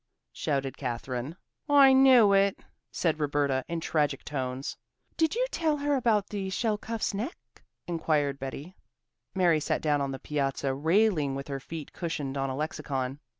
shouted Katherine. "I knew it!" said Roberta in tragic tones. "Did you tell her about the shelcuff's neck?" inquired Betty. Mary sat down on the piazza railing with her feet cushioned on a lexicon.